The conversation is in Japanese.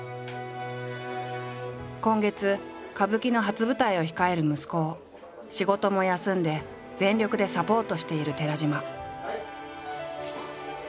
今月歌舞伎の初舞台を控える息子を仕事も休んで全力でサポートしている寺島。